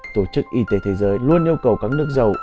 tổ chức y tế thế giới luôn yêu cầu các nước giàu